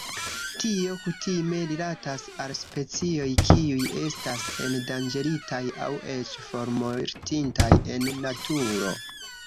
Tio kutime rilatas al specioj kiuj estas endanĝeritaj aŭ eĉ formortintaj en naturo.